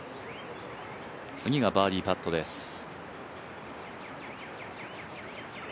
次がバーディーパットです。